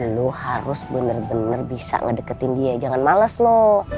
lo harus bener bener bisa ngedeketin dia jangan males lo